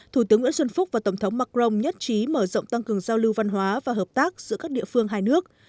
thủ tướng nguyễn xuân phúc và tổng thống macron nhất trí mở rộng tăng cường giao lưu văn hóa và hợp tác giữa các địa phương hai nước